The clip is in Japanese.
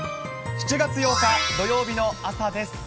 ７月８日土曜日の朝です。